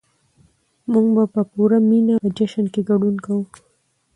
موږ به په پوره مينه په جشن کې ګډون کوو.